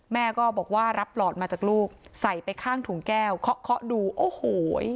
แม่ก็บอกว่ารับหลอดมาจากลูกใส่ไปข้างถุงแก้วเคาะเคาะดูโอ้โห